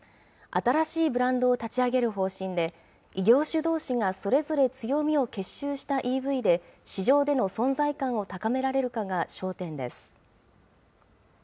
新しいブランドを立ち上げる方針で、異業種どうしがそれぞれ強みを結集したＥＶで、市場での存在感を高められるかが焦点です。